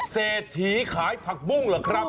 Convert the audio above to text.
เศรษฐีขายผักบุ้งเหรอครับ